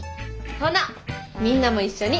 ほなみんなも一緒に。